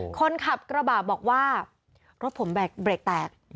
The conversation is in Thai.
คนขับกระบะบอกว่ารถผมเบรกแตก